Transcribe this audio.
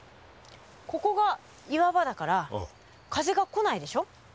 ここが岩場だから風が来ないでしょ。